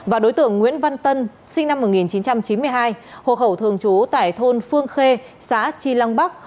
và đối tượng nguyễn văn tân sinh năm một nghìn chín trăm chín mươi hai hộ khẩu thường trú tại thôn phương khê xã tri lăng bắc